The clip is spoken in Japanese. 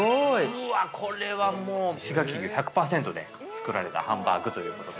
◆うーわ、これはもう石垣牛１００％で作られたハンバーグということで。